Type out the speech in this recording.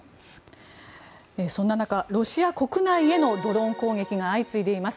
そんな中ロシア国内へのドローン攻撃が相次いでいます。